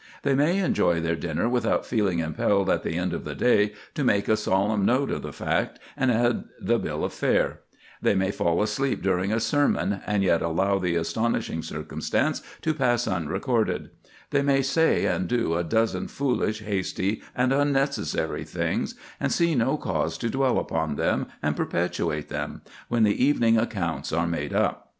They may enjoy their dinner without feeling impelled at the end of the day to make a solemn note of the fact and add the bill of fare; they may fall asleep during a sermon, and yet allow the astonishing circumstance to pass unrecorded; they may say and do a dozen foolish, hasty, and unnecessary things, and see no cause to dwell upon them, and perpetuate them, when the evening accounts are made up.